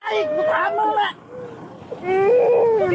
เยื่อนประมาณ